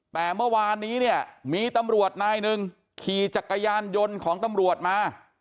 แต่เมื่อวานนี้เนี่ยมีตำรวจนายหนึ่งขี่จักรยานยนต์ของตำรวจมา